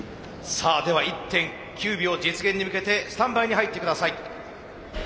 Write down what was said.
さあでは１．９秒実現に向けてスタンバイに入ってください。